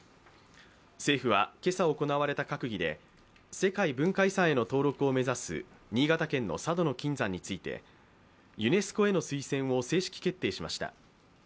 政府は今朝行われた閣議で世界文化遺産への登録を目指す新潟県の佐渡島の金山についてユネスコへの推薦を正式決定しました。